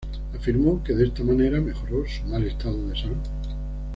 Afirmó que de esta manera mejoró su mal estado de salud.